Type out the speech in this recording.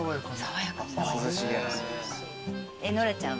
ノラちゃんは？